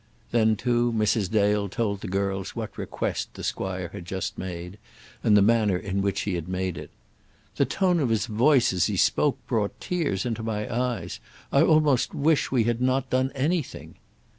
Then, too, Mrs. Dale told the girls what request the squire had just made, and the manner in which he had made it. "The tone of his voice as he spoke brought tears into my eyes. I almost wish we had not done anything."